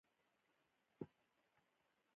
د پښتنو په کلتور کې د کور راز ساتل امانت دی.